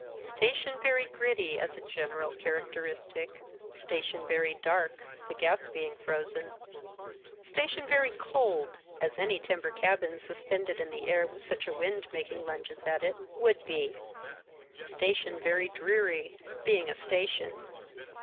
Station very gritt}^ as a general characteristic. Station very dark, the gas being frozen. Station very cold, as any timber cabin suspended in the air with such a wind making lunges at it, would be. Station very dreary, being a sta tion.